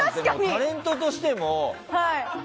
タレントとしても。